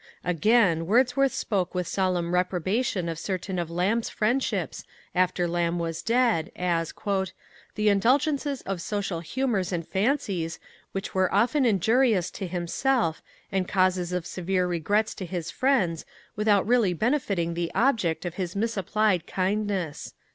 Again, Wordsworth spoke with solemn reprobation of certain of Lamb's friendships, after Lamb was dead, as "the indulgences of social humours and fancies which were often injurious to himself and causes of severe regrets to his friends, without really benefiting the object of his misapplied kindness."